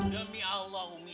demi allah umi